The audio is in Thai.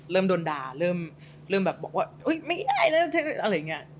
เริ่มโดนด่าเริ่มแบบบอกว่าอุ๊ยไม่ได้แล้วอะไรอย่างนี้